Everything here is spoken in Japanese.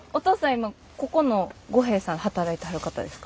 今ここの五兵衛さんで働いてはる方ですか？